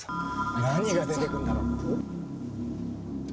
何が出てくんだろ。